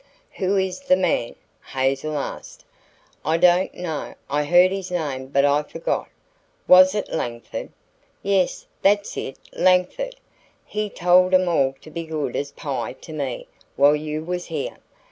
"Who is the man?" Hazel asked. "I don't know. I heard his name, but I forgot." "Was it Langford?" "Yes, that's it Langford. He told 'em all to be good as pie to me while you was here.